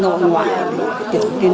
công an huyện phú xuyên